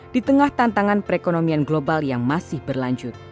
di tengah tantangan perekonomian global yang masih berlanjut